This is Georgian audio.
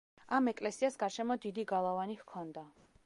ამ ეკლესიას გარშემო დიდი გალავანი ჰქონდა.